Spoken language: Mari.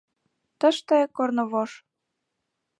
Тыште — корнывож.